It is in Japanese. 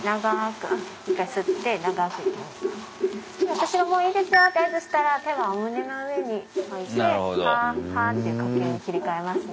私がもういいですよって合図したら手はお胸の上に置いてハーハーって呼吸に切り替えますね。